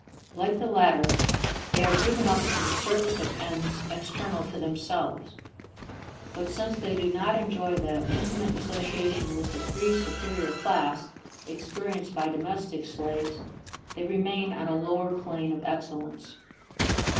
Like the latter they are given up to the service of ends external to themselves; but since they do not enjoy the intimate association with the free superior class experienced by domestic slaves they remain on a lower plane of excellence.